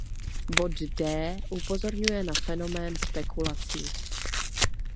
Bod D upozorňuje na fenomén spekulací.